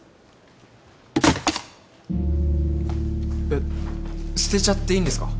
えっ捨てちゃっていいんですか？